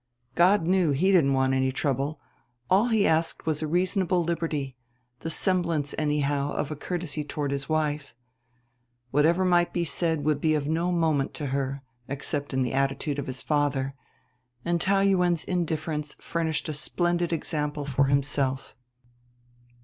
God knew he didn't want trouble, all he asked was a reasonable liberty, the semblance, anyhow, of a courtesy toward his wife. Whatever might be said would be of no moment to her except in the attitude of his father and Taou Yuen's indifference furnished a splendid example for himself.